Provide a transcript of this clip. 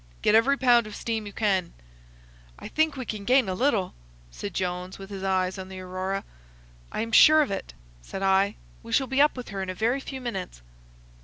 "Get every pound of steam you can." "I think we gain a little," said Jones, with his eyes on the Aurora. "I am sure of it," said I. "We shall be up with her in a very few minutes."